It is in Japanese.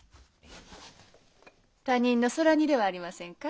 他人の空似ではありませんか？